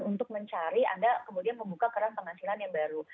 untuk mencari anda kemudian membuka keran penghasilan yang baru